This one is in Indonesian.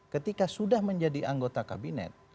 ketika sudah menjadi anggota kabinet